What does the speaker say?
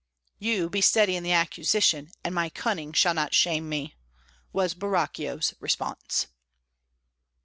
"You be steady in the accusation, and my cunning shall not shame me," was Borachio's response.